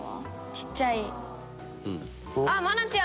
ちっちゃい。